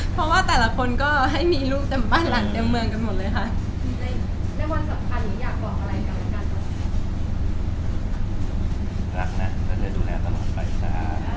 เพราะว่าแต่ละคนก็ให้มีลูกเต็มบ้านหลังเต็มเมืองกันหมดเลยค่ะ